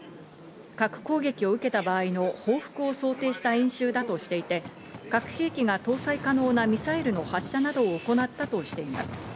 核攻撃を受けた場合の報復を想定した演習だとしていて、核兵器が搭載可能なミサイルの発射などを行ったとしています。